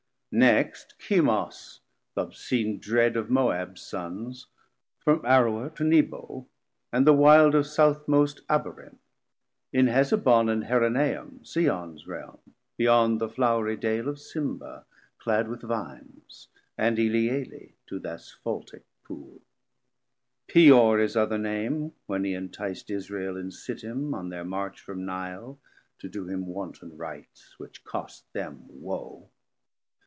Next Chemos, th' obscene dread of Moabs Sons, From Aroer to Nebo, and the wild Of Southmost Abarim; in Hesebon And Heronaim, Seons Realm, beyond The flowry Dale of Sibma clad with Vines, 410 And Eleale to th' Asphaltick Pool. Peor his other Name, when he entic'd Israel in Sittim on their march from Nile To do him wanton rites, which cost them woe.